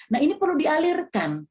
nah ini perlu dialirkan